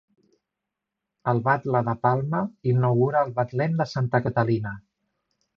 El batle de Palma inaugura el betlem de Santa Catalina.